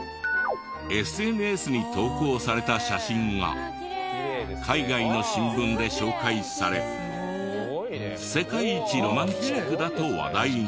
ＳＮＳに投稿された写真が海外の新聞で紹介され世界一ロマンチックだと話題に。